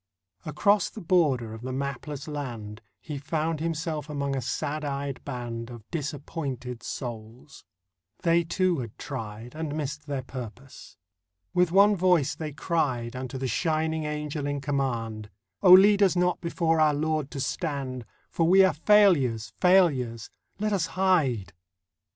Across the border of the mapless land He found himself among a sad eyed band Of disappointed souls; they, too, had tried And missed their purpose. With one voice they cried Unto the shining Angel in command: 'Oh, lead us not before our Lord to stand, For we are failures, failures! Let us hide.